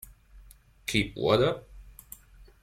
Keep what up?